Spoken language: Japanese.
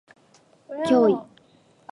怪異